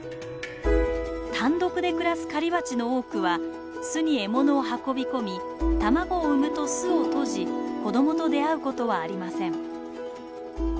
単独で暮らす狩りバチの多くは巣に獲物を運び込み卵を産むと巣を閉じ子供と出会う事はありません。